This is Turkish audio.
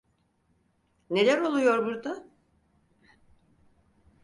Neler oluyor burda?